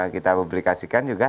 kita publikasikan juga